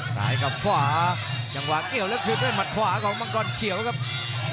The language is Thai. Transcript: กับขวาจังหวะเกี่ยวแล้วคืนด้วยหมัดขวาของมังกรเขียวครับ